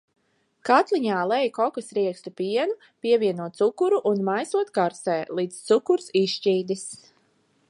Katliņā lej kokosriekstu pienu, pievieno cukuru un maisot karsē, līdz cukurs izšķīdis.